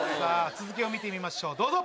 続きを見てみましょうどうぞ。